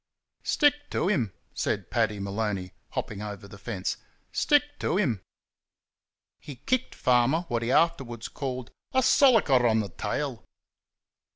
"Stick to him!" said Paddy Maloney, hopping over the fence, "Stick to him!" He kicked Farmer what he afterwards called "a sollicker on the tail."